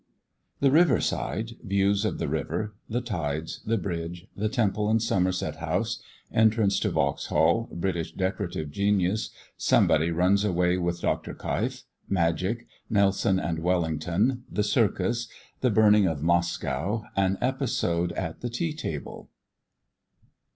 THE RIVER SIDE. VIEWS OF THE RIVER. THE TIDES. THE BRIDGES. THE TEMPLE AND SOMERSET HOUSE. ENTRANCE TO VAUXHALL. BRITISH DECORATIVE GENIUS. SOMEBODY RUNS AWAY WITH DR. KEIF. MAGIC. NELSON AND WELLINGTON. THE CIRCUS. THE BURNING OF MOSCOW. AN EPISODE AT THE TEA TABLE.